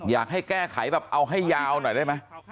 อยากให้แก้ไขแบบเอาให้ยาวหน่อยได้ไหม